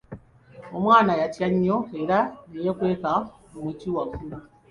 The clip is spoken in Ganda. Omwana yatya nnyo era ne yeekweka mu muti waggulu.